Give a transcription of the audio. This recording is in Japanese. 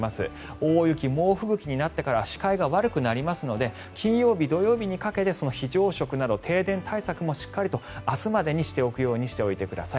大雪、猛吹雪になってからは視界が悪くなりますので金曜日、土曜日にかけて非常食など停電対策もしっかりと明日までにしておくようにしておいてください。